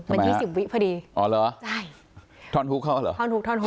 มันยี่สิบวิพอดีอ๋อเหรอใช่ท่อนฮุกเข้าเหรอท่อนฮุท่อนหุ